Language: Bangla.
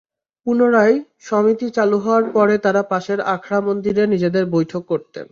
পুনরায় সমিতি চালু হওয়ার পরে তাঁরা পাশের আখড়া মন্দিরে নিজেদের বৈঠক করতেন।